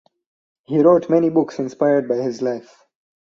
He wrote many books inspired by his life.